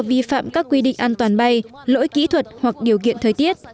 vi phạm các quy định an toàn bay lỗi kỹ thuật hoặc điều kiện thời tiết